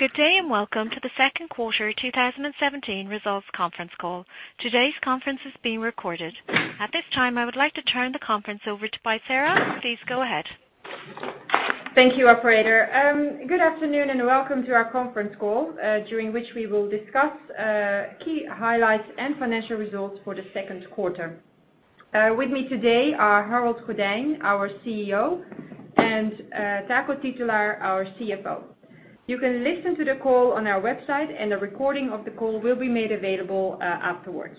Good day, welcome to the second quarter 2017 results conference call. Today's conference is being recorded. At this time, I would like to turn the conference over to Bisera. Please go ahead. Thank you, operator. Good afternoon, welcome to our conference call, during which we will discuss key highlights and financial results for the second quarter. With me today are Harold Goddijn, our CEO, and Taco Titulaer, our CFO. You can listen to the call on our website, a recording of the call will be made available afterwards.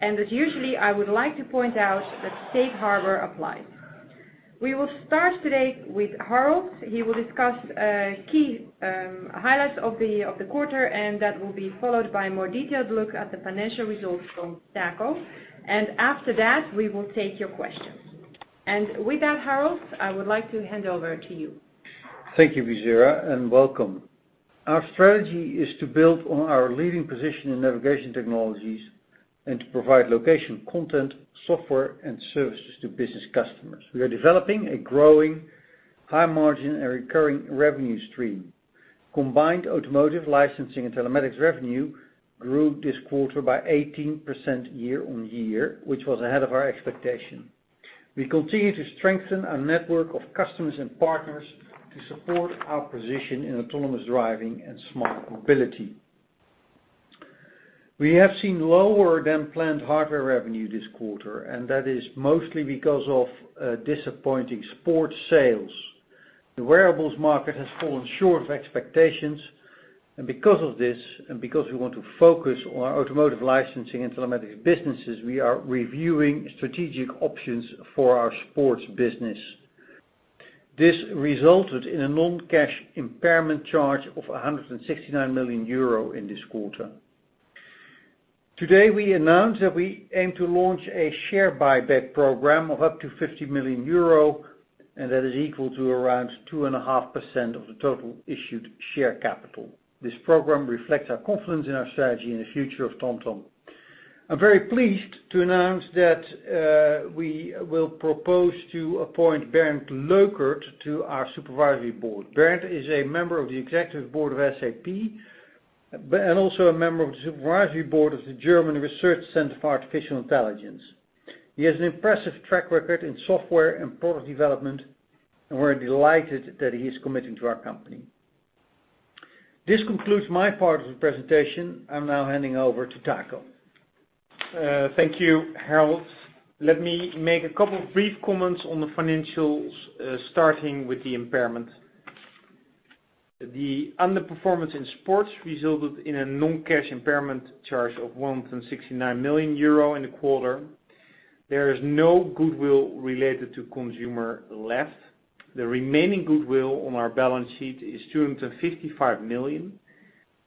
As usually, I would like to point out that safe harbor applies. We will start today with Harold. He will discuss key highlights of the quarter, that will be followed by a more detailed look at the financial results from Taco. After that, we will take your questions. With that, Harold, I would like to hand over to you. Thank you, Bisera, welcome. Our strategy is to build on our leading position in navigation technologies and to provide location, content, software, and services to business customers. We are developing a growing high margin and recurring revenue stream. Combined automotive licensing and telematics revenue grew this quarter by 18% year-on-year, which was ahead of our expectation. We continue to strengthen our network of customers and partners to support our position in autonomous driving and smart mobility. We have seen lower-than-planned hardware revenue this quarter, that is mostly because of disappointing sports sales. The wearables market has fallen short of expectations, because of this, because we want to focus on our automotive licensing and telematics businesses, we are reviewing strategic options for our sports business. This resulted in a non-cash impairment charge of 169 million euro in this quarter. Today, we announced that we aim to launch a share buyback program of up to 50 million euro, that is equal to around 2.5% of the total issued share capital. This program reflects our confidence in our strategy and the future of TomTom. I'm very pleased to announce that we will propose to appoint Bernd Leukert to our supervisory board. Bernd is a member of the executive board of SAP, also a member of the supervisory board of the German Research Center for Artificial Intelligence. He has an impressive track record in software and product development, we're delighted that he is committing to our company. This concludes my part of the presentation. I'm now handing over to Taco. Thank you, Harold. Let me make a couple of brief comments on the financials, starting with the impairment. The underperformance in sports resulted in a non-cash impairment charge of 169 million euro in the quarter. There is no goodwill related to consumer left. The remaining goodwill on our balance sheet is 255 million,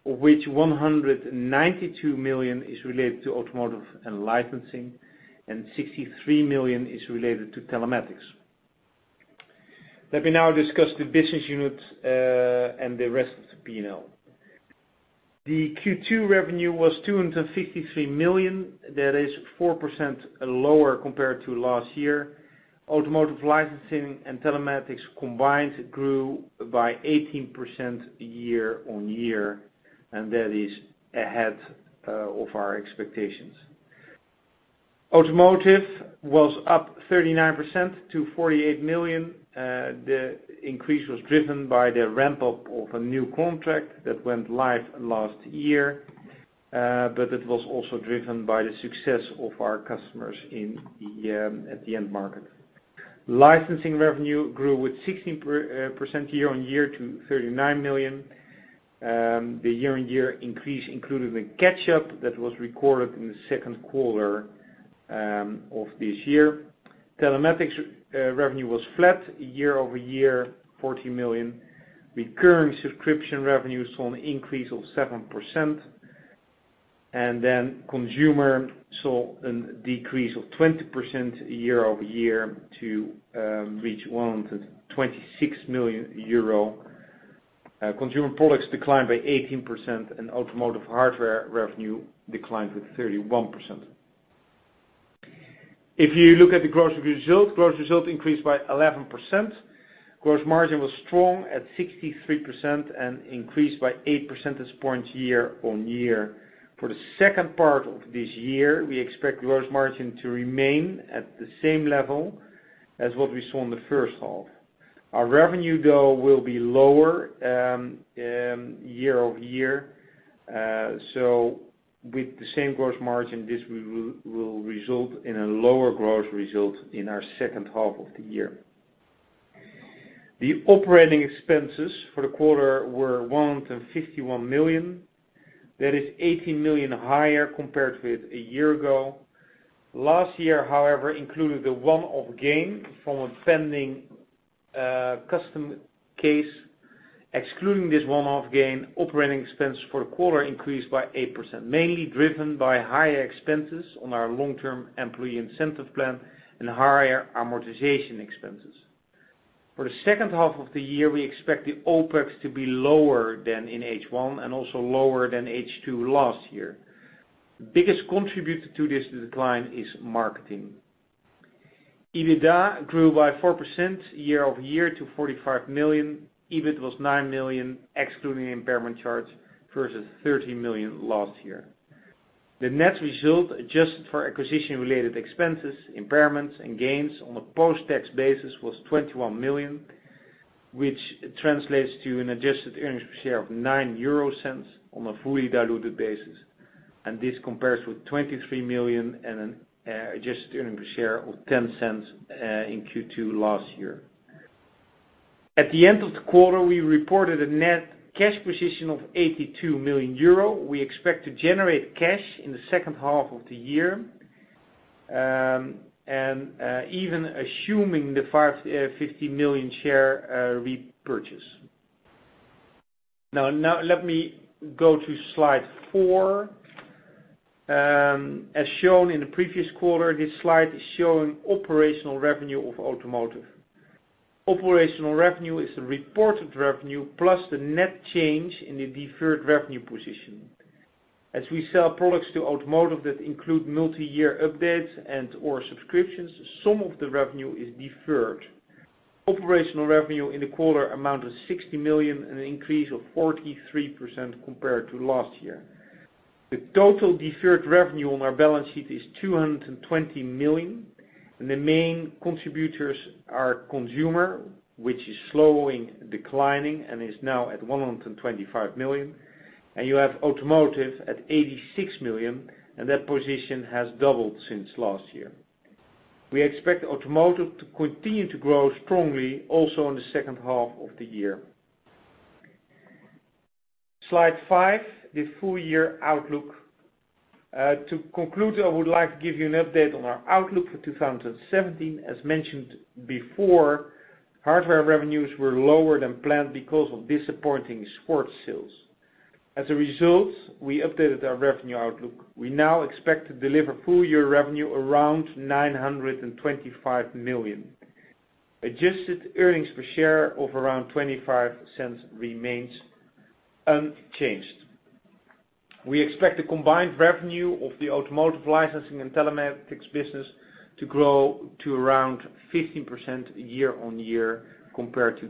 of which 192 million is related to automotive and licensing, and 63 million is related to telematics. Let me now discuss the business unit and the rest of the P&L. The Q2 revenue was 253 million. That is 4% lower compared to last year. Automotive licensing and telematics combined grew by 18% year-on-year. That is ahead of our expectations. Automotive was up 39% to 48 million. The increase was driven by the ramp-up of a new contract that went live last year. It was also driven by the success of our customers at the end market. Licensing revenue grew with 16% year-on-year to 39 million. The year-on-year increase included the catch-up that was recorded in the second quarter of this year. Telematics revenue was flat year-over-year, 14 million. Recurring subscription revenue saw an increase of 7%. Consumer saw a decrease of 20% year-over-year to reach 126 million euro. Consumer products declined by 18%. Automotive hardware revenue declined with 31%. If you look at the gross result, gross result increased by 11%. Gross margin was strong at 63% and increased by eight percentage points year-on-year. For the second part of this year, we expect gross margin to remain at the same level as what we saw in the first half. Our revenue, though, will be lower year-over-year. With the same gross margin, this will result in a lower gross result in our second half of the year. The operating expenses for the quarter were 151 million. That is 18 million higher compared with a year ago. Last year, however, included the one-off gain from a pending custom case. Excluding this one-off gain, operating expense for the quarter increased by 8%, mainly driven by higher expenses on our long-term employee incentive plan and higher amortization expenses. For the second half of the year, we expect the OPEX to be lower than in H1 and also lower than H2 last year. The biggest contributor to this decline is marketing. EBITDA grew by 4% year-over-year to 45 million. EBIT was 9 million, excluding the impairment charge versus 13 million last year. The net result, adjusted for acquisition-related expenses, impairments, and gains on a post-tax basis, was 21 million, which translates to an adjusted earnings per share of 0.09 on a fully diluted basis. This compares with 23 million and an adjusted earning per share of 0.10 in Q2 last year. At the end of the quarter, we reported a net cash position of 82 million euro. We expect to generate cash in the second half of the year, even assuming the 50 million share repurchase. Now let me go to slide four. As shown in the previous quarter, this slide is showing operational revenue of automotive. Operational revenue is the reported revenue plus the net change in the deferred revenue position. As we sell products to automotive that include multi-year updates and/or subscriptions, some of the revenue is deferred. Operational revenue in the quarter amounted to 60 million, an increase of 43% compared to last year. The total deferred revenue on our balance sheet is 220 million, and the main contributors are consumer, which is slowly declining and is now at 125 million. You have automotive at 86 million, and that position has doubled since last year. We expect automotive to continue to grow strongly also in the second half of the year. Slide five, the full year outlook. To conclude, I would like to give you an update on our outlook for 2017. As mentioned before, hardware revenues were lower than planned because of disappointing sports sales. As a result, we updated our revenue outlook. We now expect to deliver full year revenue around 925 million. Adjusted earnings per share of around 0.25 remains unchanged. We expect the combined revenue of the automotive licensing and telematics business to grow to around 15% year-on-year compared to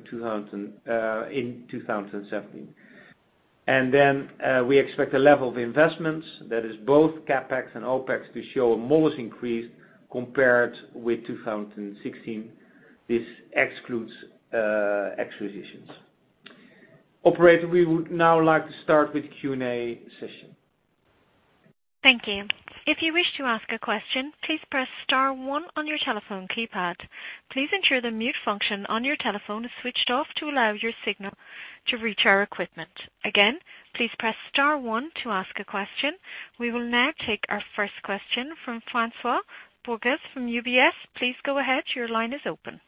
in 2017. We expect a level of investments that is both CapEx and OpEx to show a modest increase compared with 2016. This excludes acquisitions. Operator, we would now like to start with the Q&A session. Thank you. If you wish to ask a question, please press star one on your telephone keypad. Please ensure the mute function on your telephone is switched off to allow your signal to reach our equipment. Again, please press star one to ask a question. We will now take our first question from François Bourgès from UBS. Please go ahead. Your line is open.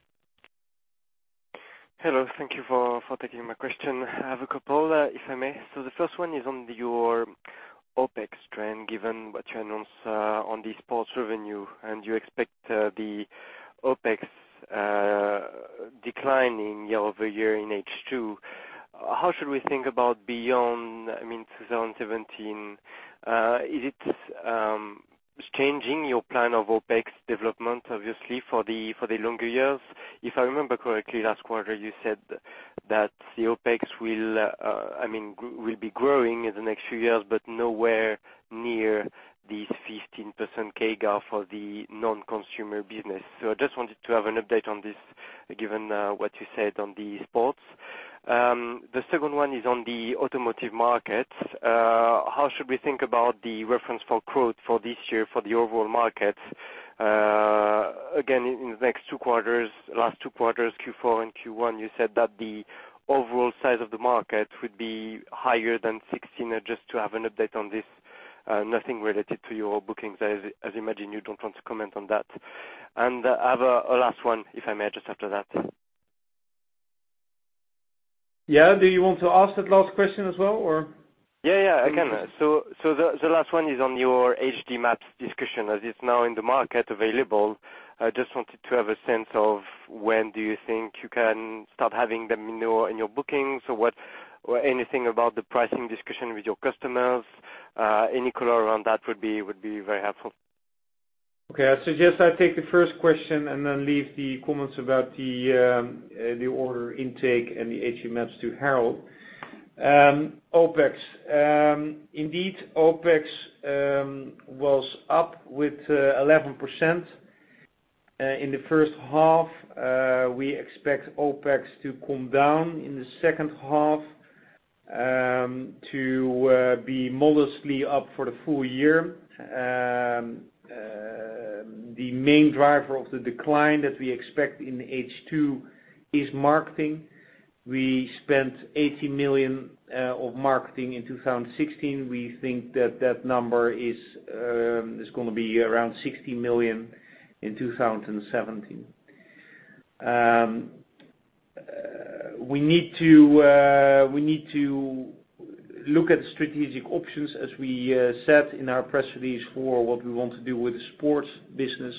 Hello. Thank you for taking my question. I have a couple, if I may. The first one is on your OpEx trend, given what you announce on the sports revenue, and you expect the OpEx declining year-over-year in H2. How should we think about beyond 2017? Is it changing your plan of OpEx development, obviously, for the longer years? If I remember correctly, last quarter you said that the OpEx will be growing in the next few years, but nowhere near the 15% CAGR for the non-consumer business. I just wanted to have an update on this, given what you said on the sports. The second one is on the automotive market. How should we think about the reference for growth for this year for the overall market? In the next two quarters, last two quarters, Q4 and Q1, you said that the overall size of the market would be higher than 2016. Just to have an update on this. Nothing related to your bookings, as I imagine you don't want to comment on that. I have a last one, if I may, just after that. Yeah. Do you want to ask that last question as well, or? Yeah. I can. The last one is on your HD maps discussion, as it's now in the market available. I just wanted to have a sense of when do you think you can start having them in your bookings, or anything about the pricing discussion with your customers. Any color around that would be very helpful. Okay. I suggest I take the first question and then leave the comments about the order intake and the HD maps to Harold. OPEX. Indeed, OPEX was up with 11% in the first half. We expect OPEX to come down in the second half to be modestly up for the full year. The main driver of the decline that we expect in H2 is marketing. We spent 80 million of marketing in 2016. We think that that number is going to be around 60 million in 2017. We need to look at strategic options, as we said in our press release, for what we want to do with the sports business.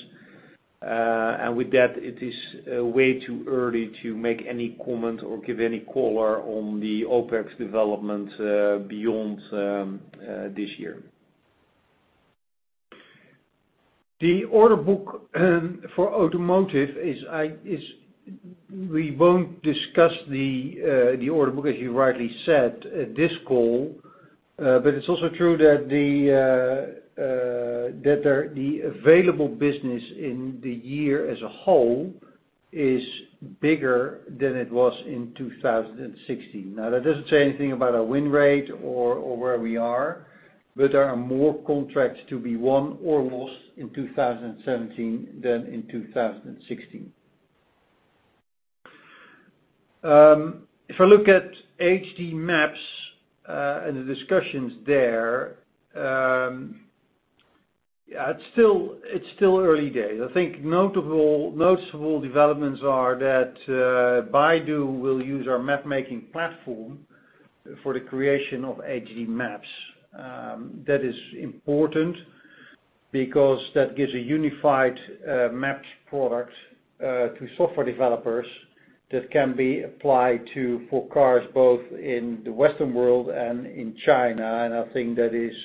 With that, it is way too early to make any comment or give any color on the OPEX development beyond this year. The order book for automotive, we won't discuss the order book, as you rightly said, this call. It's also true that the available business in the year as a whole is bigger than it was in 2016. That doesn't say anything about our win rate or where we are, but there are more contracts to be won or lost in 2017 than in 2016. If I look at HD Map, and the discussions there, it's still early days. I think noticeable developments are that Baidu will use our map-making platform for the creation of HD Map. That is important, because that gives a unified maps product, to software developers that can be applied for cars both in the Western world and in China. I think that is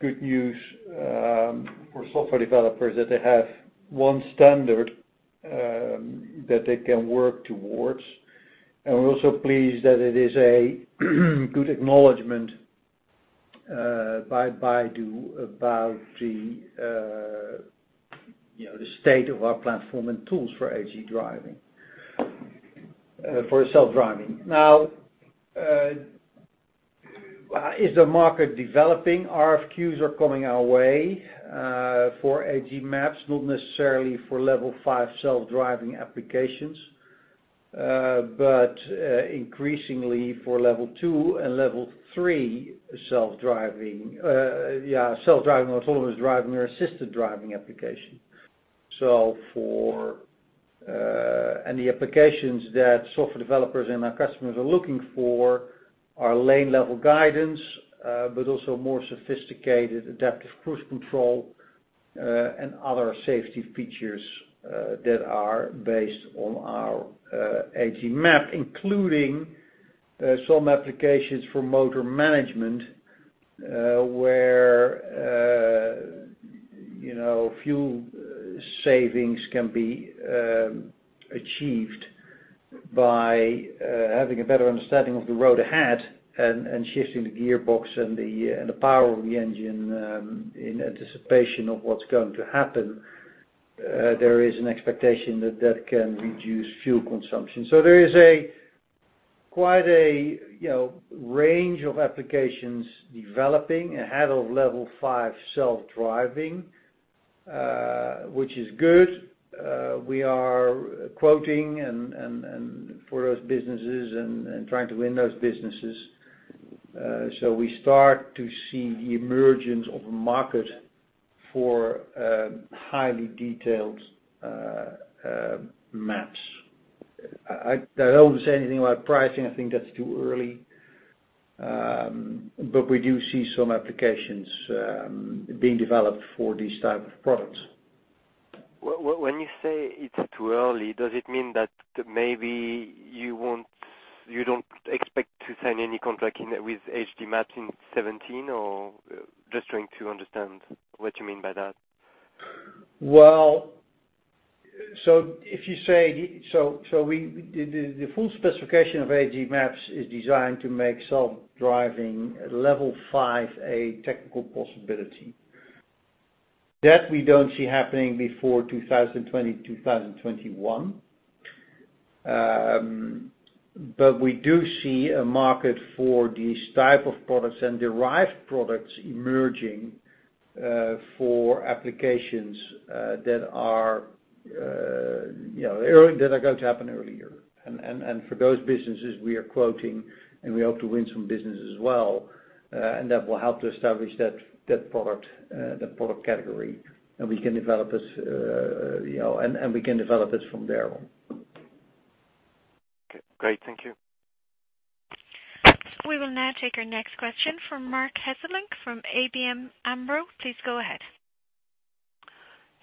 good news for software developers, that they have one standard that they can work towards. We're also pleased that it is a good acknowledgement by Baidu about the state of our platform and tools for HD driving, for self-driving. Is the market developing? RFQs are coming our way for HD Map, not necessarily for Level 5 self-driving applications. Increasingly for Level 2 and Level 3 self-driving, autonomous driving, or assisted driving application. The applications that software developers and our customers are looking for are lane level guidance, but also more sophisticated adaptive cruise control, and other safety features that are based on our HD Map, including some applications for motor management, where fuel savings can be achieved by having a better understanding of the road ahead and shifting the gearbox and the power of the engine, in anticipation of what's going to happen. There is an expectation that that can reduce fuel consumption. There is quite a range of applications developing ahead of Level 5 self-driving, which is good. We are quoting for those businesses and trying to win those businesses. We start to see the emergence of a market for highly detailed maps. I don't want to say anything about pricing. I think that's too early. We do see some applications being developed for these type of products. When you say it's too early, does it mean that maybe you don't expect to sign any contract with HD Map in 2017, or? Just trying to understand what you mean by that. The full specification of HD Map is designed to make self-driving at Level 5 a technical possibility. That we don't see happening before 2020, 2021. We do see a market for these type of products and derived products emerging, for applications that are going to happen earlier. For those businesses, we are quoting, and we hope to win some business as well. That will help to establish that product category, and we can develop it from there on. Okay, great. Thank you. We will now take our next question from Marc Hesselink from ABN AMRO. Please go ahead.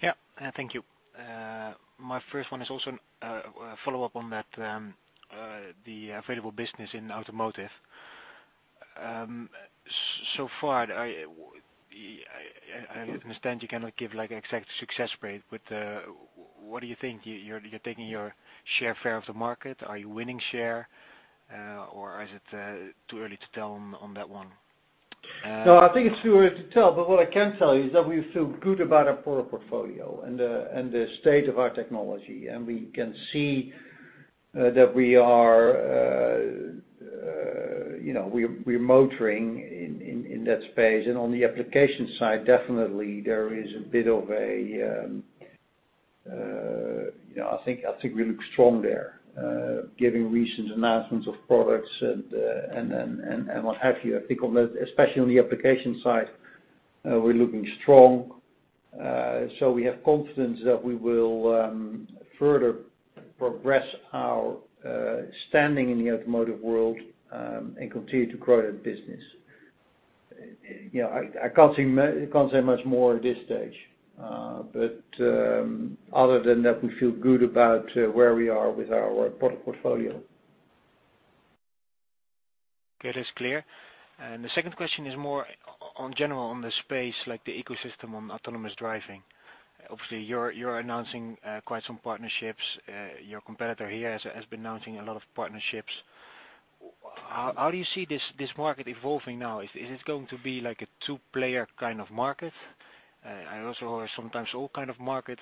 Yeah, thank you. My first one is also a follow-up on the available business in automotive. Far, I understand you cannot give an exact success rate, what do you think? You're taking your share fair of the market. Are you winning share? Is it too early to tell on that one? No, I think it's too early to tell, but what I can tell you is that we feel good about our product portfolio and the state of our technology. We can see that we're motoring in that space, and on the application side, definitely there is a bit of a, I think we look strong there, given recent announcements of products and what have you. I think on that, especially on the application side, we're looking strong. We have confidence that we will further progress our standing in the automotive world, and continue to grow that business. I can't say much more at this stage. Other than that, we feel good about where we are with our product portfolio. Okay, that's clear. The second question is more on general on the space, like the ecosystem on autonomous driving. Obviously, you're announcing quite some partnerships. Your competitor HERE has been announcing a lot of partnerships. How do you see this market evolving now? Is it going to be like a two-player kind of market? Or a winner-takes-all kind of market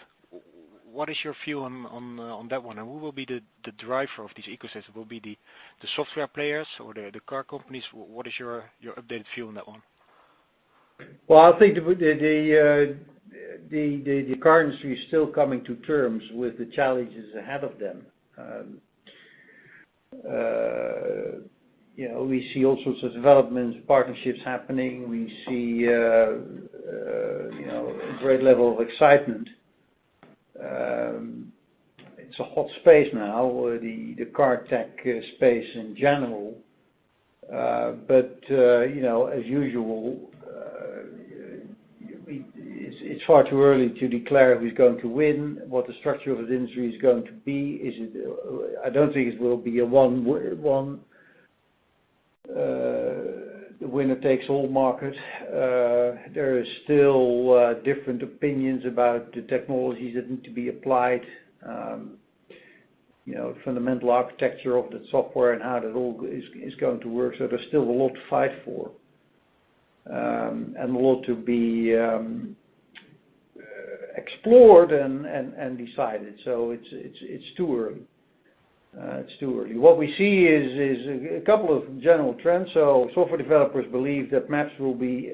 What is your view on that one? Who will be the driver of this ecosystem? Will be the software players or the car companies? What is your updated view on that one? Well, I think the car industry is still coming to terms with the challenges ahead of them. We see all sorts of developments, partnerships happening. We see a great level of excitement. It's a hot space now, the car tech space in general. As usual, it's far too early to declare who's going to win, what the structure of the industry is going to be. I don't think it will be a one winner takes all market. There are still different opinions about the technologies that need to be applied. Fundamental architecture of that software and how that all is going to work. There's still a lot to fight for, and a lot to be explored and decided. It's too early. What we see is a couple of general trends, so software developers believe that maps will be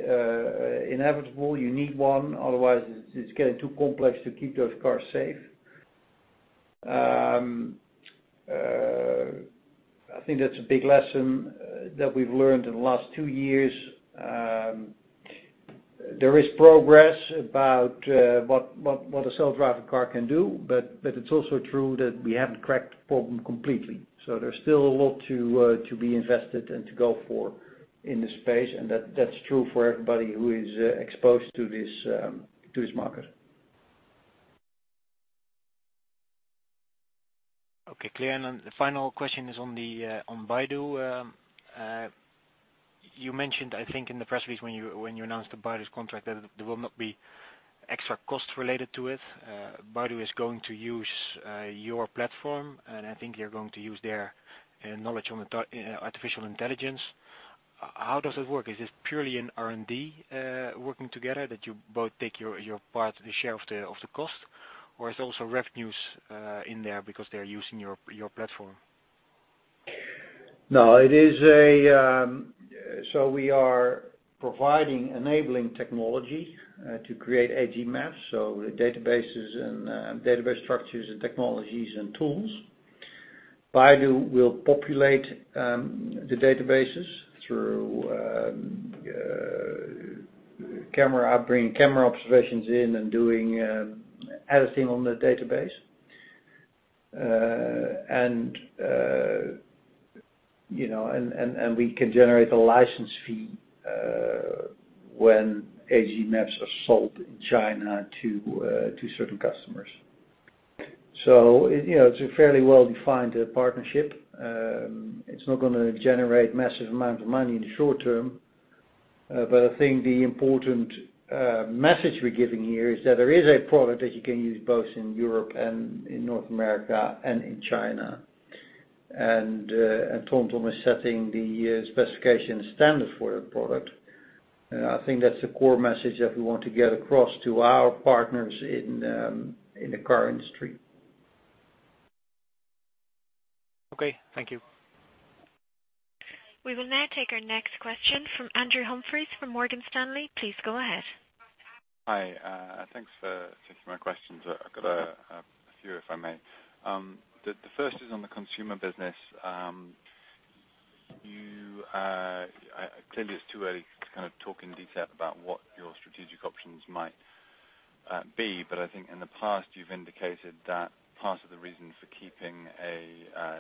inevitable. You need one, otherwise it's getting too complex to keep those cars safe. I think that's a big lesson that we've learned in the last two years. There is progress about what a self-driving car can do. It's also true that we haven't cracked the problem completely. There's still a lot to be invested and to go for in this space. That's true for everybody who is exposed to this market. Okay, clear. The final question is on Baidu. You mentioned, I think in the press release when you announced the Baidu's contract, that there will not be extra costs related to it. Baidu is going to use your platform, and I think you're going to use their knowledge on artificial intelligence. How does it work? Is this purely an R&D, working together that you both take your part, the share of the cost? Or is also revenues in there because they're using your platform? No. We are providing enabling technology to create HD maps, so databases and database structures and technologies and tools. Baidu will populate the databases through bringing camera observations in and doing editing on the database. We can generate a license fee when HD maps are sold in China to certain customers. It's a fairly well-defined partnership. It's not going to generate massive amounts of money in the short term. I think the important message we're giving here is that there is a product that you can use both in Europe and in North America and in China. TomTom is setting the specification standard for that product. I think that's the core message that we want to get across to our partners in the car industry. Okay. Thank you. We will now take our next question from Andrew Humphrey from Morgan Stanley. Please go ahead. Hi. Thanks for taking my questions. I've got a few, if I may. The first is on the consumer business. Clearly it's too early to kind of talk in detail about what your strategic options might be, but I think in the past, you've indicated that part of the reason for keeping a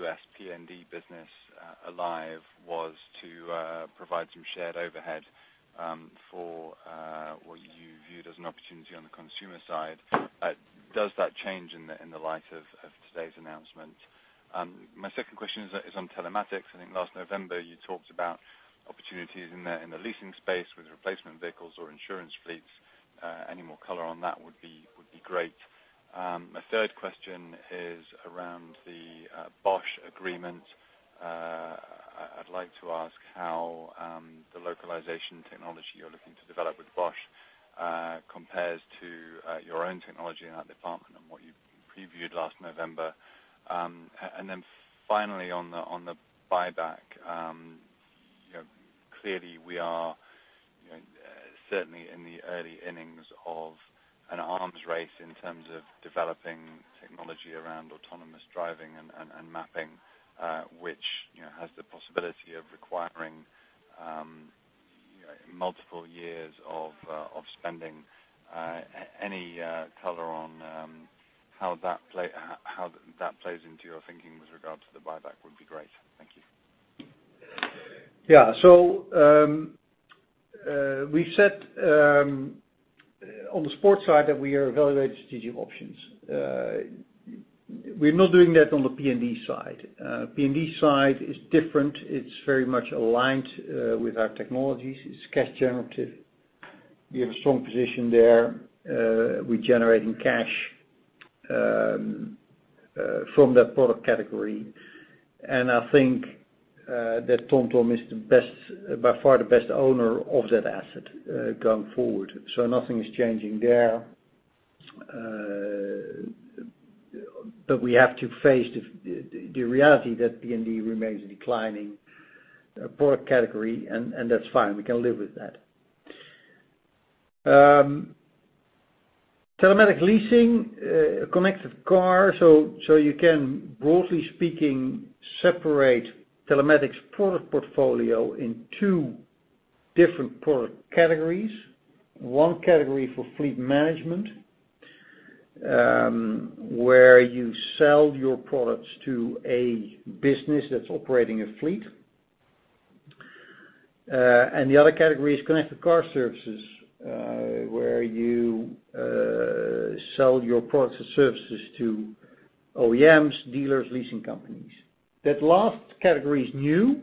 U.S. PND business alive was to provide some shared overhead, for what you viewed as an opportunity on the consumer side. Does that change in the light of today's announcement? My second question is on telematics. I think last November you talked about opportunities in the leasing space with replacement vehicles or insurance fleets. Any more color on that would be great. My third question is around the Bosch agreement. I'd like to ask how the localization technology you're looking to develop with Bosch compares to your own technology in that department and what you previewed last November. Finally on the buyback. Clearly we are certainly in the early innings of an arms race in terms of developing technology around autonomous driving and mapping, which has the possibility of requiring multiple years of spending. Any color on how that plays into your thinking with regards to the buyback would be great. Thank you. We said on the sports side that we are evaluating strategic options. We're not doing that on the PND side. PND side is different. It's very much aligned with our technologies. It's cash generative. We have a strong position there. We're generating cash from that product category, and I think that TomTom is by far the best owner of that asset going forward. Nothing is changing there. We have to face the reality that PND remains a declining product category, and that's fine. We can live with that. Telematics leasing, connected car. You can, broadly speaking, separate telematics product portfolio in 2 different product categories. 1 category for fleet management, where you sell your products to a business that's operating a fleet. The other category is connected car services, where you sell your products and services to OEMs, dealers, leasing companies. That last category is new.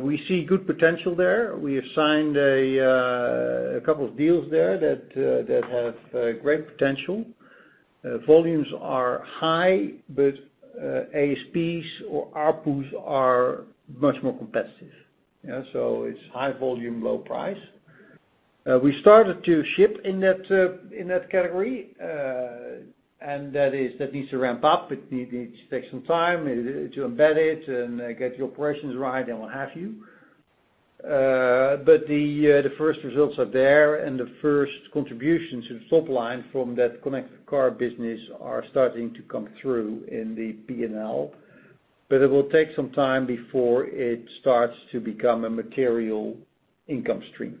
We see good potential there. We have signed a couple of deals there that have great potential. Volumes are high, but ASPs or ARPUs are much more competitive. It's high volume, low price. We started to ship in that category, and that needs to ramp up. It needs to take some time to embed it and get the operations right and what have you. The first results are there, and the first contributions to the top line from that connected car business are starting to come through in the P&L. It will take some time before it starts to become a material income stream.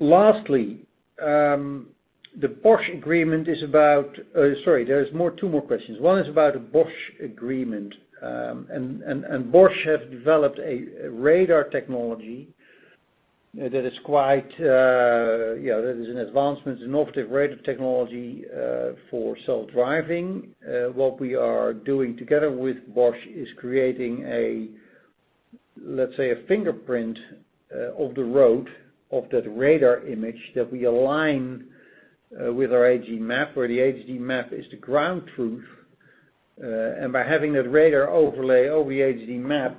Lastly, the Bosch agreement is about Sorry, there's 2 more questions. 1 is about a Bosch agreement, and Bosch have developed a radar technology that is an advancement, an innovative radar technology for self-driving. What we are doing together with Bosch is creating, let's say, a fingerprint of the road of that radar image that we align with our HD Map, where the HD Map is the ground truth. By having that radar overlay over the HD Map,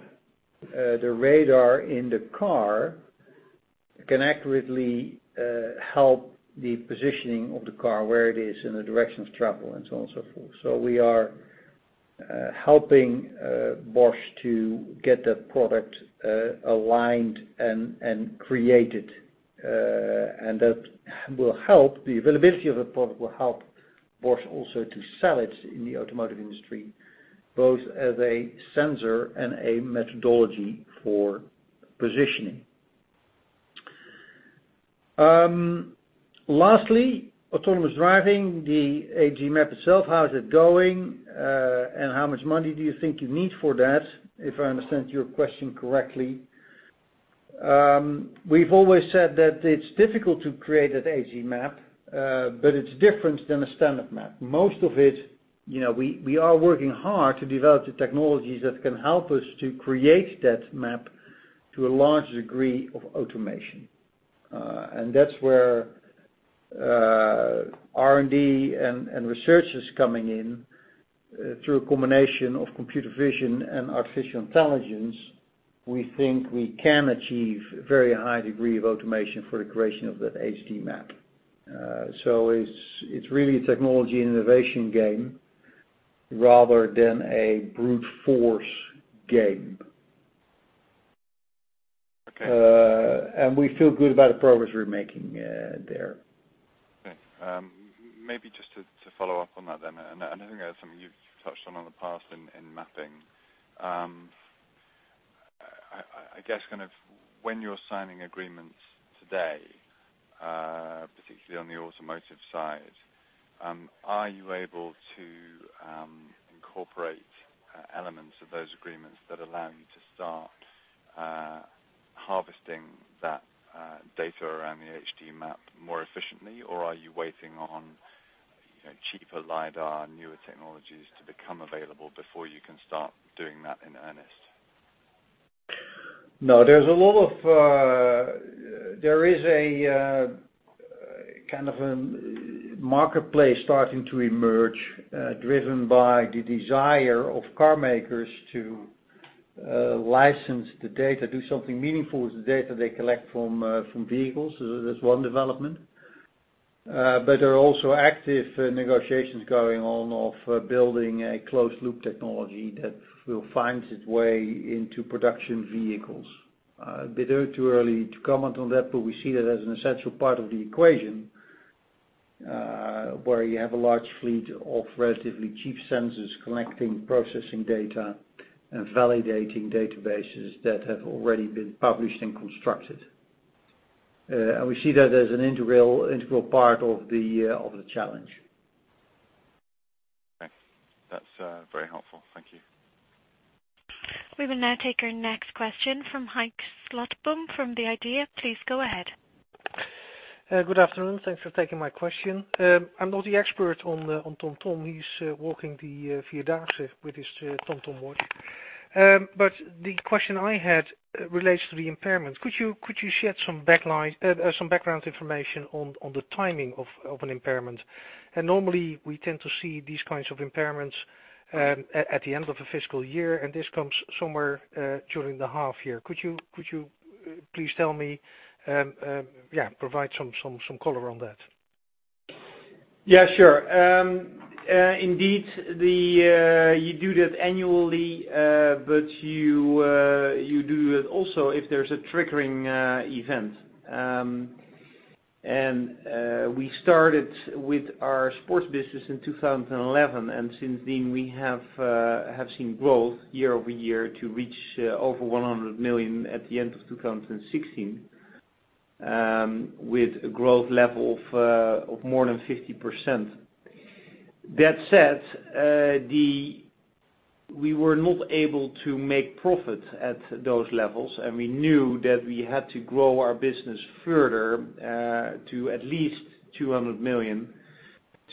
the radar in the car can accurately help the positioning of the car, where it is, and the directions traveled, and so on and so forth. We are helping Bosch to get that product aligned and created. The availability of that product will help Bosch also to sell it in the automotive industry, both as a sensor and a methodology for positioning. Lastly, autonomous driving, the HD Map itself, how is it going? How much money do you think you need for that, if I understand your question correctly? We've always said that it's difficult to create that HD Map, but it's different than a standard map. Most of it, we are working hard to develop the technologies that can help us to create that map to a large degree of automation. That's where R&D and research is coming in through a combination of computer vision and artificial intelligence. We think we can achieve a very high degree of automation for the creation of that HD Map. It's really a technology innovation game rather than a brute force game. Okay. We feel good about the progress we're making there. Okay. Maybe just to follow up on that then, I think that's something you've touched on in the past in mapping. I guess, when you're signing agreements today, particularly on the automotive side, are you able to incorporate elements of those agreements that allow you to start harvesting that data around the HD Map more efficiently? Are you waiting on cheaper LIDAR, newer technologies to become available before you can start doing that in earnest? No, there is a kind of a marketplace starting to emerge, driven by the desire of car makers to license the data, do something meaningful with the data they collect from vehicles. That's one development. There are also active negotiations going on of building a closed loop technology that will find its way into production vehicles. A bit too early to comment on that, but we see that as an essential part of the equation, where you have a large fleet of relatively cheap sensors collecting, processing data, and validating databases that have already been published and constructed. We see that as an integral part of the challenge. Okay. That's very helpful. Thank you. We will now take our next question from Henk Slotboom from The IDEA!. Please go ahead. Good afternoon. Thanks for taking my question. I'm not the expert on TomTom. He's walking the Vierdaagse with his TomTom watch. The question I had relates to the impairment. Could you shed some background information on the timing of an impairment? Normally, we tend to see these kinds of impairments at the end of a fiscal year, and this comes somewhere during the half year. Could you please tell me, provide some color on that? Yeah, sure. Indeed, you do that annually, but you do it also if there's a triggering event. We started with our sports business in 2011, and since then, we have seen growth year-over-year to reach over 100 million at the end of 2016, with a growth level of more than 50%. That said, we were not able to make profit at those levels, and we knew that we had to grow our business further to at least 200 million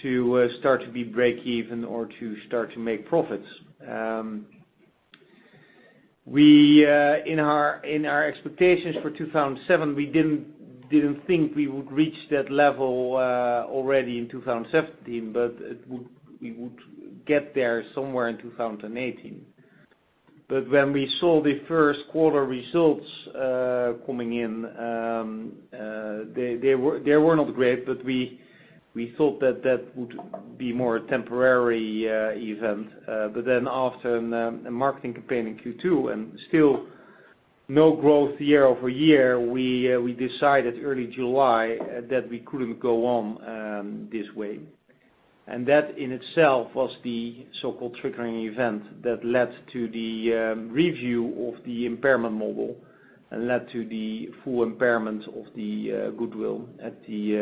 to start to be break even or to start to make profits. In our expectations for 2017, we didn't think we would reach that level already in 2017, but we would get there somewhere in 2018. When we saw the first quarter results coming in, they were not great, but we thought that that would be more a temporary event. After a marketing campaign in Q2, and still no growth year-over-year, we decided early July that we couldn't go on this way. That in itself was the so-called triggering event that led to the review of the impairment model and led to the full impairment of the goodwill at the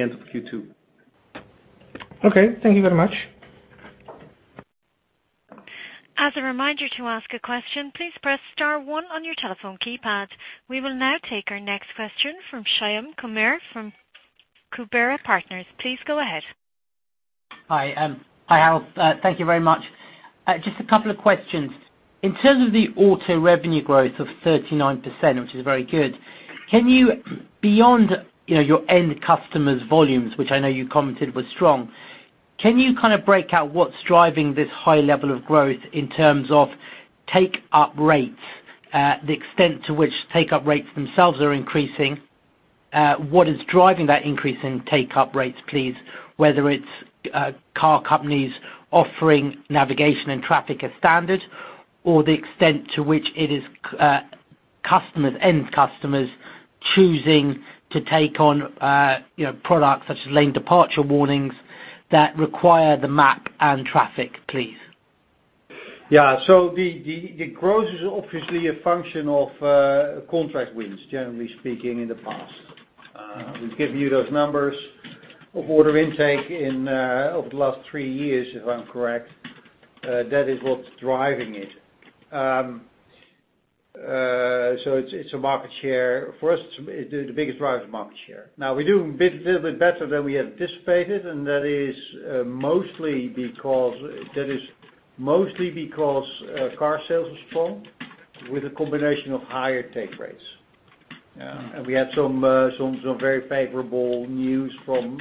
end of Q2. Okay. Thank you very much. As a reminder to ask a question, please press star one on your telephone keypad. We will now take our next question from Shyam Kumar from Kubera Partners. Please go ahead. Hi, Harold. Thank you very much. Just a couple of questions. In terms of the auto revenue growth of 39%, which is very good, can you, beyond your end customers' volumes, which I know you commented were strong, can you kind of break out what's driving this high level of growth in terms of take-up rates, the extent to which take-up rates themselves are increasing? What is driving that increase in take-up rates, please? Whether it's car companies offering navigation and traffic as standard, or the extent to which it is end customers choosing to take on products such as lane departure warnings that require the map and traffic, please. The growth is obviously a function of contract wins, generally speaking, in the past. We've given you those numbers of order intake over the last 3 years, if I'm correct. That is what's driving it. For us, the biggest driver is market share. We're doing a little bit better than we anticipated, and that is mostly because car sales are strong with a combination of higher take-up rates. We had some very favorable news from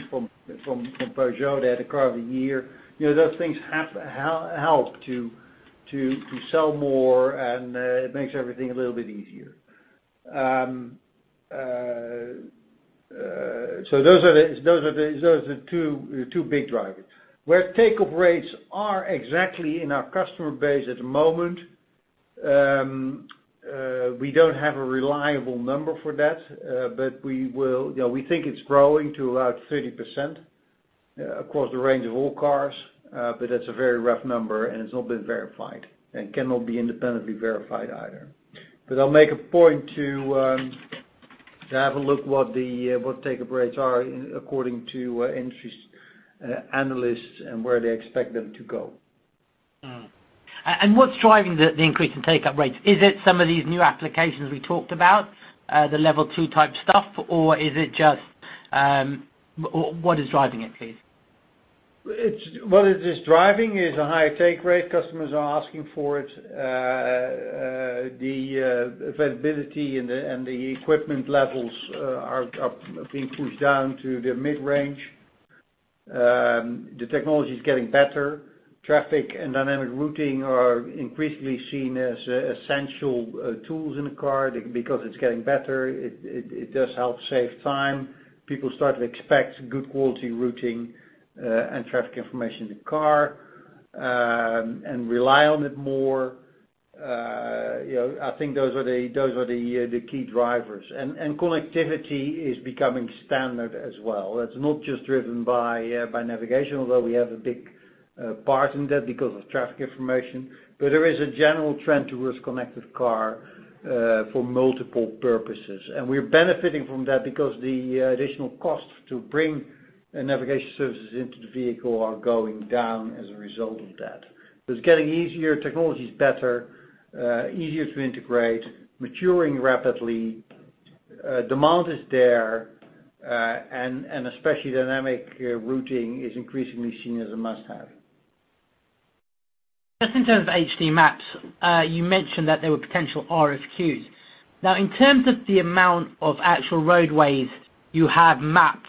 Peugeot. They had a car of the year. Those things help to sell more, and it makes everything a little bit easier. Those are the two big drivers. Where take-up rates are exactly in our customer base at the moment, we don't have a reliable number for that, but we think it's growing to about 30% across the range of all cars. That's a very rough number, and it's not been verified and cannot be independently verified either. I'll make a point to have a look what the take-up rates are according to industry's analysts and where they expect them to go. What's driving the increase in take-up rates? Is it some of these new applications we talked about, the Level 2 type stuff, or what is driving it, please? What it is driving is a higher take rate. Customers are asking for it. The availability and the equipment levels are being pushed down to the mid-range. The technology's getting better. Traffic and dynamic routing are increasingly seen as essential tools in a car because it's getting better. It does help save time. People start to expect good quality routing and traffic information in the car and rely on it more. I think those are the key drivers. Connectivity is becoming standard as well. That's not just driven by navigation, although we have a big part in that because of traffic information, but there is a general trend towards connected car for multiple purposes. We're benefiting from that because the additional cost to bring navigation services into the vehicle are going down as a result of that. It's getting easier. Technology's better, easier to integrate, maturing rapidly. Demand is there, and especially dynamic routing is increasingly seen as a must-have. Just in terms of HD Map, you mentioned that there were potential RFQs. In terms of the amount of actual roadways you have mapped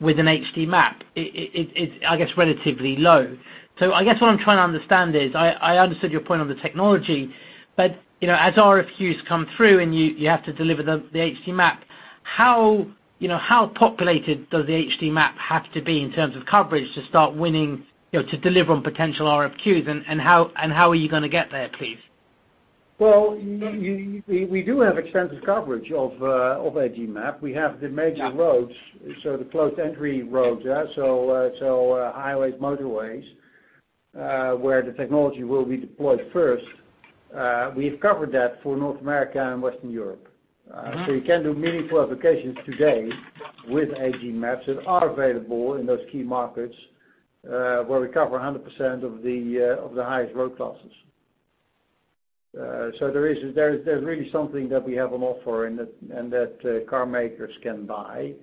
with an HD Map, it's, I guess, relatively low. I guess what I'm trying to understand is, I understood your point on the technology, but as RFQs come through and you have to deliver the HD Map, how populated does the HD Map have to be in terms of coverage to start winning, to deliver on potential RFQs, and how are you going to get there, please? We do have extensive coverage of HD Map. We have the major roads- Yeah The closed entry roads. Highways, motorways, where the technology will be deployed first. We've covered that for North America and Western Europe. You can do meaningful applications today with HD maps that are available in those key markets, where we cover 100% of the highest road classes. There's really something that we have on offer and that car makers can buy.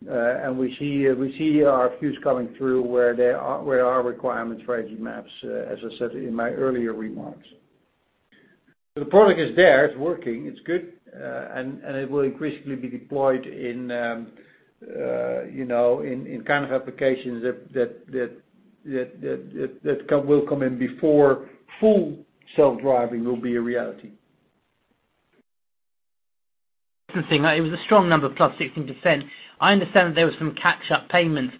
We see RFQs coming through where there are requirements for HD maps, as I said in my earlier remarks. The product is there, it's working, it's good, and it will increasingly be deployed in kind of applications that will come in before full self-driving will be a reality. It was a strong number, plus 16%. I understand that there was some catch-up payments,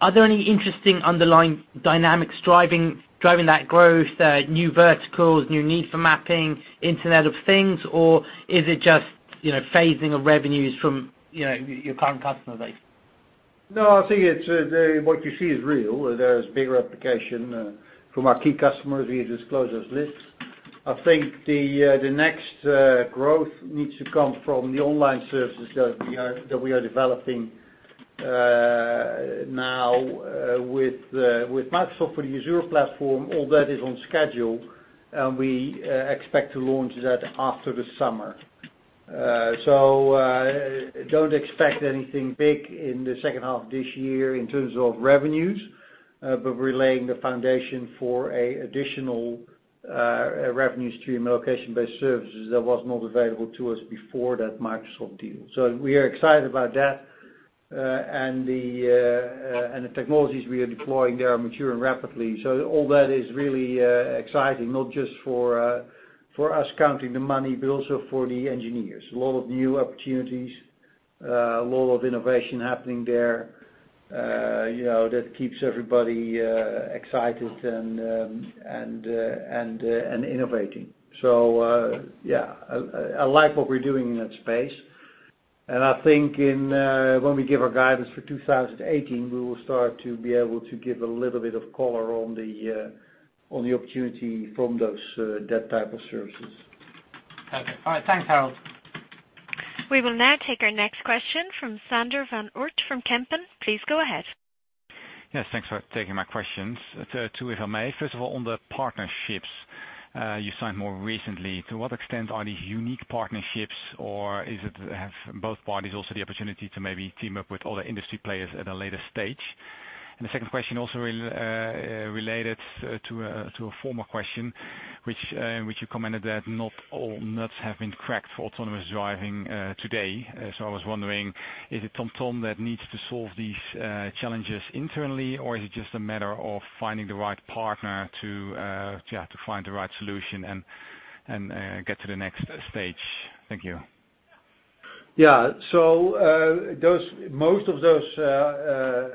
are there any interesting underlying dynamics driving that growth, new verticals, new need for mapping, Internet of Things, or is it just phasing of revenues from your current customer base? No, I think what you see is real. There's bigger application from our key customers. We disclose those lists. I think the next growth needs to come from the online services that we are developing now with Microsoft for the Azure platform. All that is on schedule. We expect to launch that after the summer. Don't expect anything big in the second half of this year in terms of revenues, but we're laying the foundation for additional revenue stream location-based services that was not available to us before that Microsoft deal. We are excited about that. The technologies we are deploying there are maturing rapidly. All that is really exciting, not just for us counting the money, but also for the engineers. A lot of new opportunities, a lot of innovation happening there, that keeps everybody excited and innovating. Yeah, I like what we're doing in that space. I think when we give our guidance for 2018, we will start to be able to give a little bit of color on the opportunity from that type of services. Okay. All right. Thanks, Harold. We will now take our next question from Sander van Oort from Kempen. Please go ahead. Yes, thanks for taking my questions. Two, if I may. First of all, on the partnerships you signed more recently, to what extent are these unique partnerships or have both parties also the opportunity to maybe team up with other industry players at a later stage? The second question, also related to a former question, which you commented that not all nuts have been cracked for autonomous driving today. I was wondering, is it TomTom that needs to solve these challenges internally, or is it just a matter of finding the right partner to find the right solution and get to the next stage? Thank you. Yeah. Most of those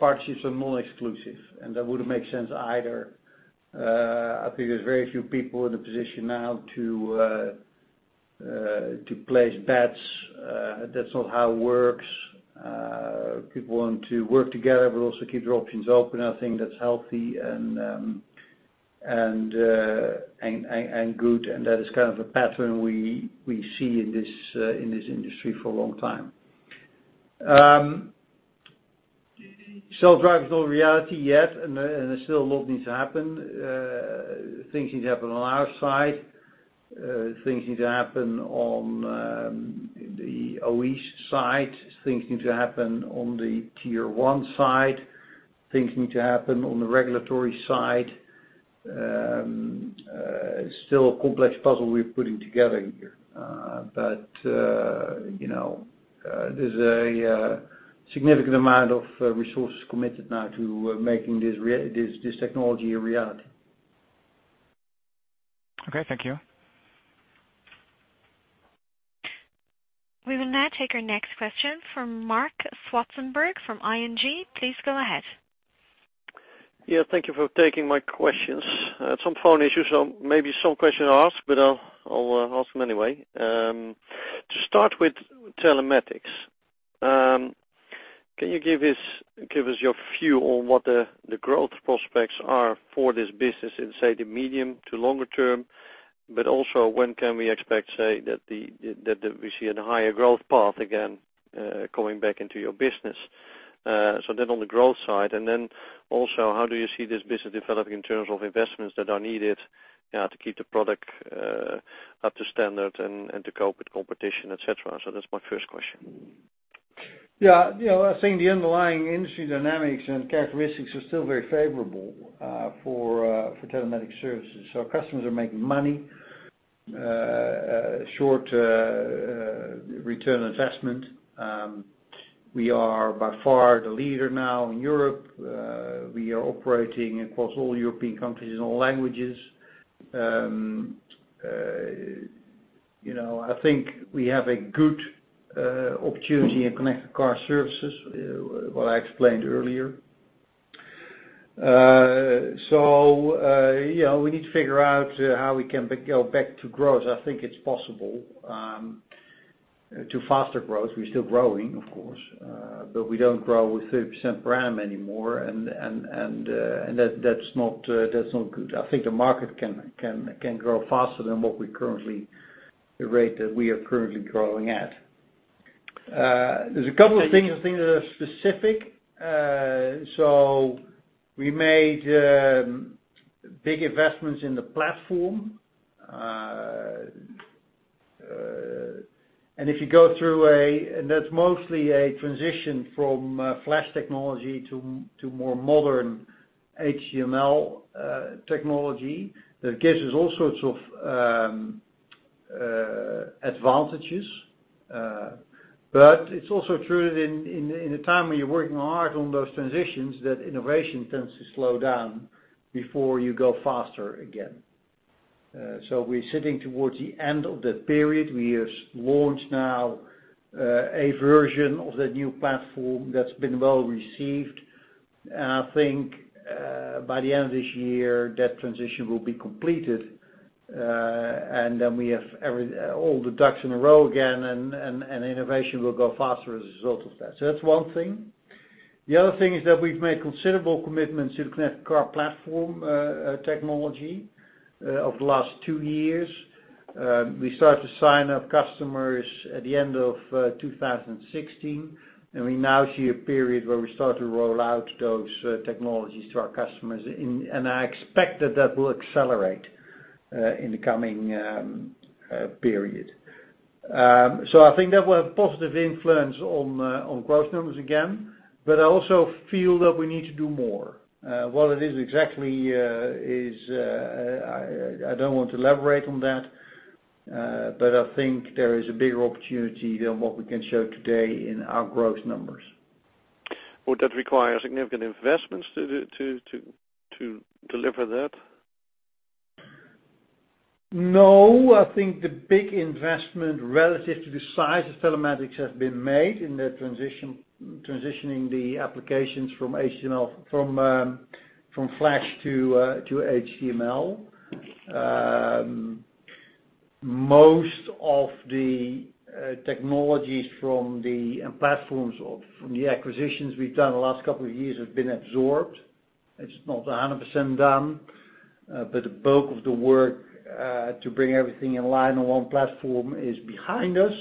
partnerships are non-exclusive, that wouldn't make sense either. I think there's very few people in the position now to place bets. That's not how it works. People want to work together, but also keep their options open. I think that's healthy and good, that is kind of a pattern we see in this industry for a long time. Self-driving is not a reality yet, there's still a lot needs to happen. Things need to happen on our side. Things need to happen on the OE side. Things need to happen on the Tier 1 side. Things need to happen on the regulatory side. Still a complex puzzle we're putting together here. There's a significant amount of resources committed now to making this technology a reality. Okay, thank you. We will now take our next question from Marc Zwartsenburg from ING. Please go ahead. Yeah. Thank you for taking my questions. Had some phone issues, maybe some questions are asked, I'll ask them anyway. To start with telematics, can you give us your view on what the growth prospects are for this business in, say, the medium to longer term? Also, when can we expect, say, that we see a higher growth path again coming back into your business? On the growth side, also, how do you see this business developing in terms of investments that are needed to keep the product up to standard and to cope with competition, et cetera? That's my first question. I think the underlying industry dynamics and characteristics are still very favorable for telematics services. Our customers are making money, short return on investment. We are by far the leader now in Europe. We are operating across all European countries, in all languages. I think we have a good opportunity in connected car services, what I explained earlier. We need to figure out how we can go back to growth. I think it's possible, to faster growth. We're still growing, of course, we don't grow with 30% rates anymore, and that's not good. I think the market can grow faster than the rate that we are currently growing at. There's a couple of things that are specific. We made big investments in the platform. That's mostly a transition from Flash technology to more modern HTML technology that gives us all sorts of advantages. It's also true that in the time when you're working hard on those transitions, that innovation tends to slow down before you go faster again. We're sitting towards the end of that period. We have launched now a version of the new platform that's been well received. I think, by the end of this year, that transition will be completed, and then we have all the ducks in a row again and innovation will go faster as a result of that. That's one thing. The other thing is that we've made considerable commitments to the connected car platform technology over the last two years. We start to sign up customers at the end of 2016, and we now see a period where we start to roll out those technologies to our customers, and I expect that will accelerate in the coming period. I think that will have positive influence on growth numbers again, I also feel that we need to do more. What it is exactly, I don't want to elaborate on that. I think there is a bigger opportunity than what we can show today in our growth numbers. Would that require significant investments to deliver that? I think the big investment relative to the size of telematics has been made in the transitioning the applications from Flash to HTML. Most of the technologies from the platforms or from the acquisitions we've done the last couple of years have been absorbed. It's not 100% done, but the bulk of the work to bring everything in line on one platform is behind us,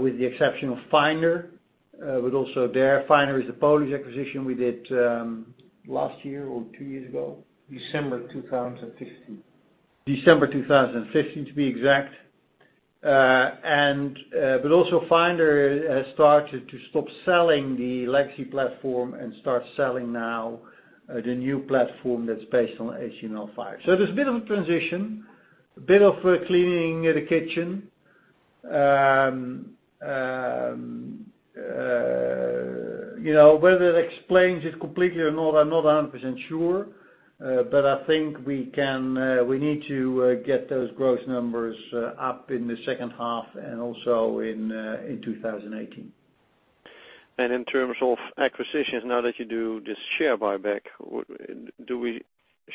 with the exception of Finder. Also there, Finder is the Polish acquisition we did last year or two years ago. December 2015. December 2015 to be exact. Also Finder has started to stop selling the legacy platform and start selling now the new platform that's based on HTML5. There's a bit of a transition, a bit of cleaning the kitchen. Whether it explains it completely or not, I'm not 100% sure. I think we need to get those growth numbers up in the second half and also in 2018. In terms of acquisitions, now that you do this share buyback,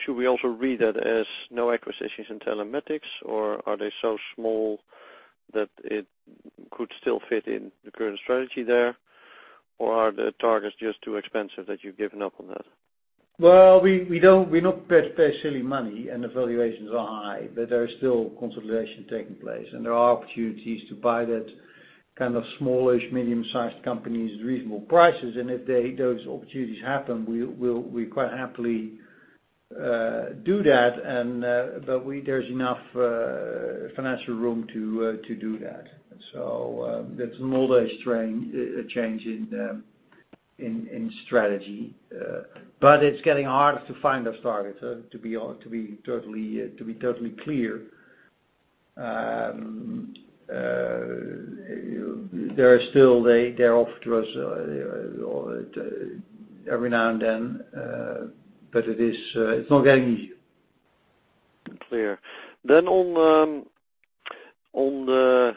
should we also read that as no acquisitions in telematics or are they so small that it could still fit in the current strategy there or are the targets just too expensive that you've given up on that? We're not paying silly money and the valuations are high, there is still consolidation taking place and there are opportunities to buy that kind of small-ish, medium-sized companies at reasonable prices. If those opportunities happen, we'll quite happily do that. There's enough financial room to do that. That's not a change in strategy. It's getting harder to find those targets, to be totally clear. They're offered to us every now and then, but it's not getting easier. Clear. On the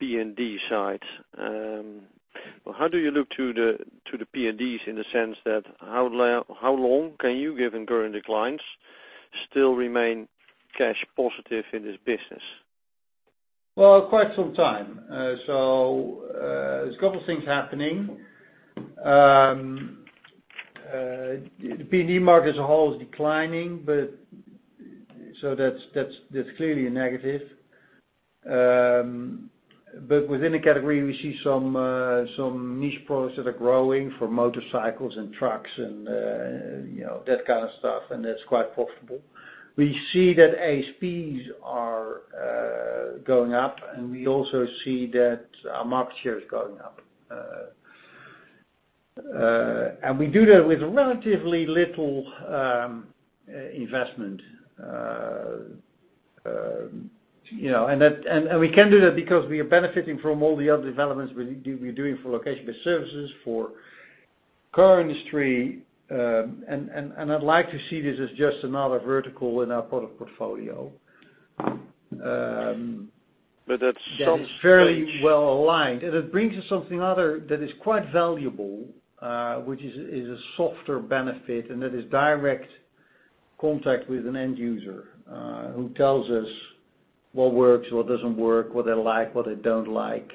PND side, how do you look to the PNDs in the sense that how long can you, given current declines, still remain cash positive in this business? Quite some time. There's a couple of things happening. The PND market as a whole is declining, so that's clearly a negative. Within a category, we see some niche products that are growing for motorcycles and trucks and that kind of stuff, and that's quite profitable. We see that ASPs are going up, we also see that our market share is going up. We do that with relatively little investment. We can do that because we are benefiting from all the other developments we're doing for location-based services, for car industry, and I'd like to see this as just another vertical in our product portfolio. At some stage. That is fairly well aligned. It brings us something other that is quite valuable, which is a softer benefit. That is direct contact with an end user, who tells us what works, what doesn't work, what they like, what they don't like.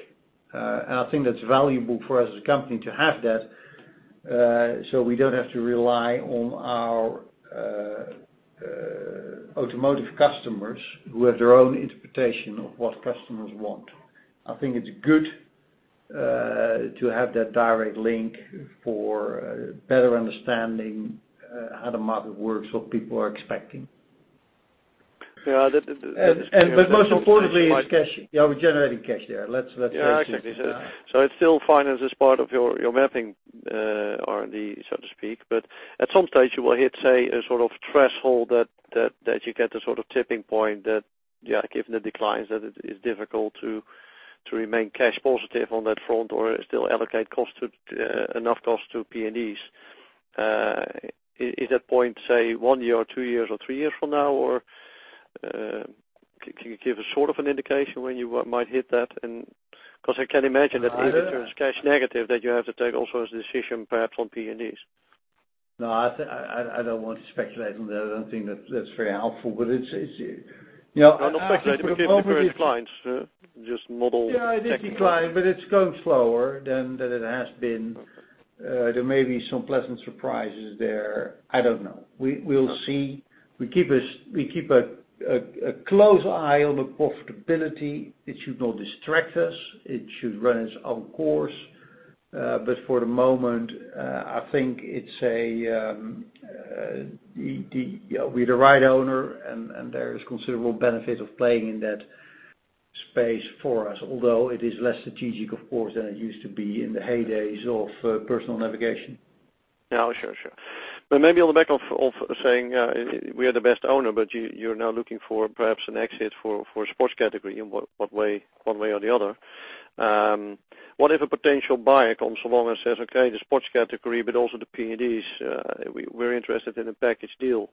I think that's valuable for us as a company to have that, so we don't have to rely on our automotive customers who have their own interpretation of what customers want. I think it's good to have that direct link for better understanding how the market works, what people are expecting. Yeah. Most importantly, it's cash. We're generating cash there. Exactly. It's still financed as part of your mapping R&D, so to speak, but at some stage you will hit, say, a sort of threshold that you get the sort of tipping point that, given the declines, that it is difficult to remain cash positive on that front or still allocate enough costs to PNDs. Is that point, say, one year or two years or three years from now, or can you give a sort of an indication when you might hit that? Because I can imagine that if it turns cash negative, that you have to take also as a decision perhaps on PNDs. I don't want to speculate on that. I don't think that's very helpful. No, not speculating, given the current declines, just model technically. Yeah, it is declining, it's going slower than it has been. There may be some pleasant surprises there. I don't know. We'll see. We keep a close eye on the profitability. It should not distract us. It should run its own course. For the moment, I think we're the right owner, and there is considerable benefit of playing in that space for us, although it is less strategic, of course, than it used to be in the heydays of personal navigation. Yeah. Sure. Maybe on the back of saying we are the best owner, but you're now looking for perhaps an exit for sports category in one way or the other. What if a potential buyer comes along and says, "Okay, the sports category, but also the PNDs, we're interested in a package deal."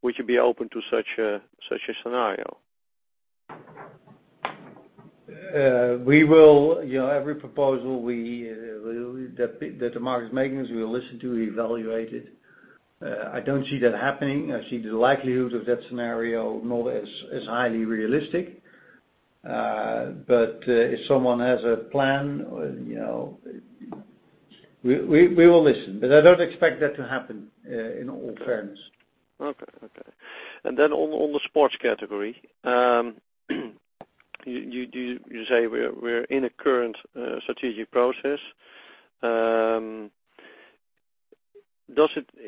Would you be open to such a scenario? Every proposal that the market is making to us, we will listen to, evaluate it. I don't see that happening. I see the likelihood of that scenario not as highly realistic. If someone has a plan, we will listen, but I don't expect that to happen, in all fairness. Okay. On the sports category, you say we're in a current strategic process.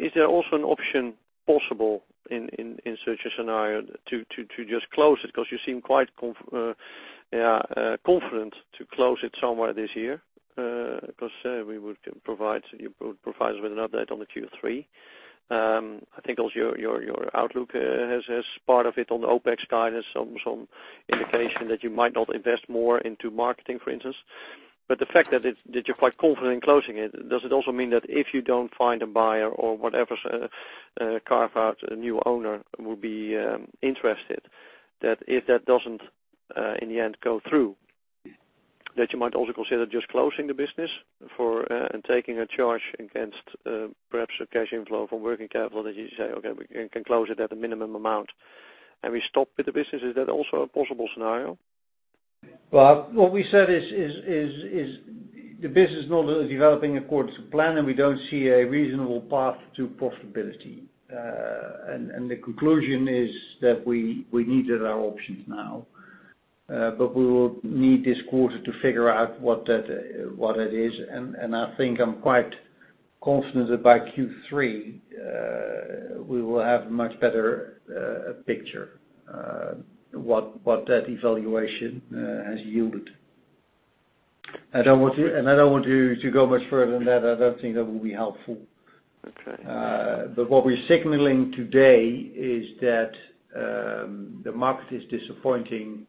Is there also an option possible in such a scenario to just close it, because you seem quite confident to close it somewhere this year, because you would provide us with an update on the Q3. I think also your outlook has part of it on the OPEX guidance, some indication that you might not invest more into marketing, for instance. The fact that you're quite confident in closing it, does it also mean that if you don't find a buyer or whatever carve out a new owner would be interested, that if that doesn't, in the end, go through, that you might also consider just closing the business and taking a charge against perhaps a cash inflow from working capital, that you say, "Okay, we can close it at a minimum amount, and we stop with the business." Is that also a possible scenario? Well, what we said is the business not developing according to plan, and we don't see a reasonable path to profitability. The conclusion is that we needed our options now, but we will need this quarter to figure out what that is. I think I'm quite confident that by Q3, we will have a much better picture what that evaluation has yielded. I don't want to go much further than that. I don't think that would be helpful. Okay. What we're signaling today is that the market is disappointing.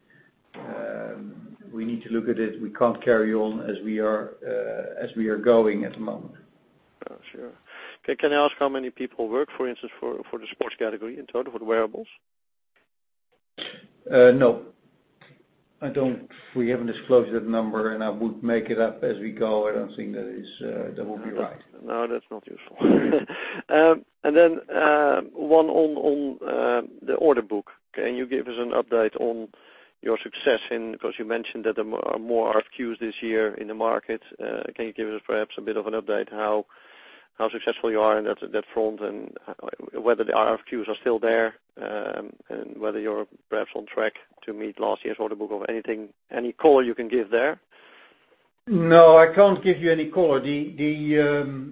We need to look at it. We can't carry on as we are going at the moment. Sure. Can I ask how many people work, for instance, for the sports category in total, for the wearables? We haven't disclosed that number. I would make it up as we go. I don't think that would be right. That's not useful. One on the order book. Can you give us an update on your success in, because you mentioned that there are more RFQs this year in the market. Can you give us perhaps a bit of an update how successful you are on that front and whether the RFQs are still there, and whether you're perhaps on track to meet last year's order book or any color you can give there? I can't give you any color. The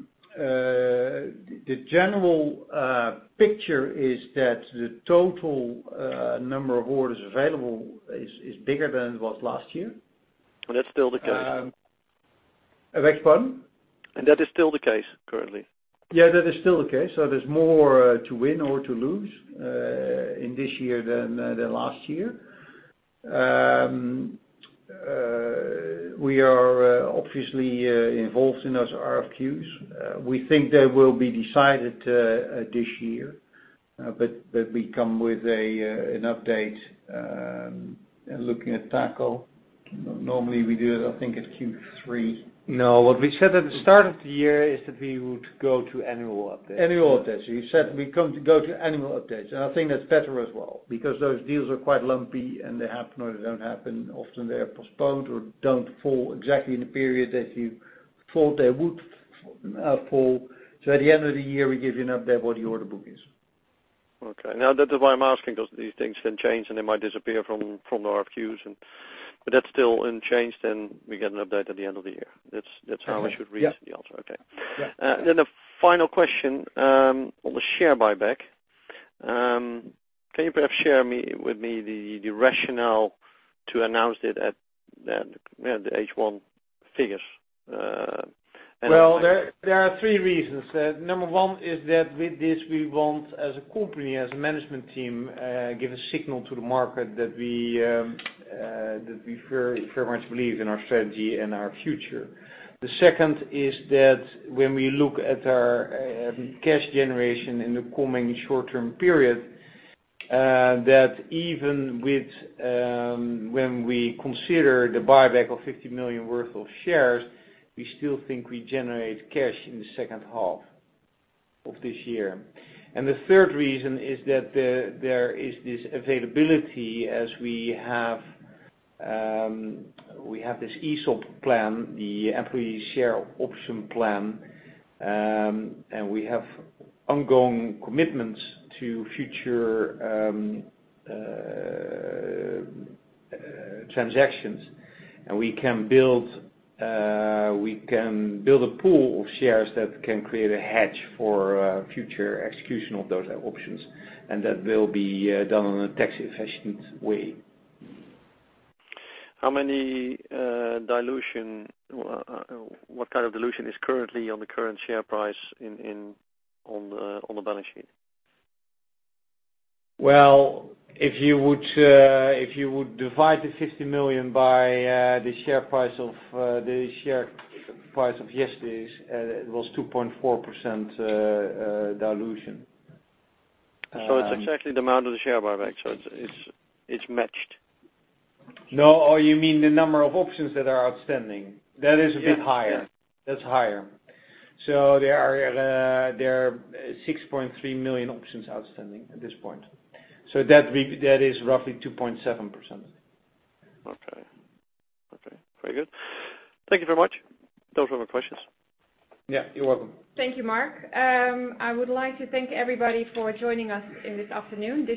general picture is that the total number of orders available is bigger than it was last year. That's still the case? Beg your pardon? That is still the case, currently? Yeah, that is still the case. There's more to win or to lose in this year than last year. We are obviously involved in those RFQs. We think they will be decided this year. We come with an update, looking at Taco. Normally we do it, I think it's Q3. No, what we said at the start of the year is that we would go to annual updates. Annual updates. We said we go to annual updates, I think that's better as well, because those deals are quite lumpy, and they happen or they don't happen. Often they are postponed or don't fall exactly in the period that you thought they would fall. At the end of the year, we give you an update what the order book is. Okay. That is why I'm asking, because these things can change, and they might disappear from the RFQs. That's still unchanged, and we get an update at the end of the year. That's how I should read the answer. Yeah. Okay. Yeah. The final question on the share buyback. Can you perhaps share with me the rationale to announce it at the H1 figures? There are three reasons. Number one is that with this, we want, as a company, as a management team, give a signal to the market that we very much believe in our strategy and our future. The second is that when we look at our cash generation in the coming short-term period, that even when we consider the buyback of 50 million worth of shares, we still think we generate cash in the second half of this year. The third reason is that there is this availability as we have this ESOP plan, the employee share option plan, and we have ongoing commitments to future transactions. We can build a pool of shares that can create a hedge for future execution of those options, and that will be done in a tax-efficient way. How many dilution, what kind of dilution is currently on the current share price on the balance sheet? If you would divide the 50 million by the share price of yesterday's, it was 2.4% dilution. It's exactly the amount of the share buyback. It's matched. No. Oh, you mean the number of options that are outstanding? Yeah. That is a bit higher. That's higher. There are 6.3 million options outstanding at this point. That is roughly 2.7%. Okay. Very good. Thank you very much. Those were my questions. Yeah, you're welcome. Thank you, Marc. I would like to thank everybody for joining us in this afternoon.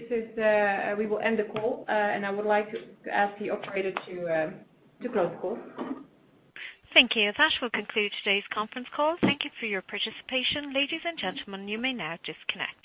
We will end the call. I would like to ask the operator to close the call. Thank you. That will conclude today's conference call. Thank you for your participation. Ladies and gentlemen, you may now disconnect.